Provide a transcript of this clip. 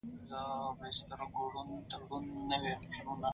غاله خواره باید د غالۍ ښکلا وساتي.